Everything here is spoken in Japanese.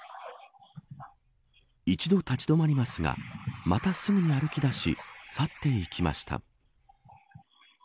一度立ち止まりますがまたすぐに歩きだし去っていきました。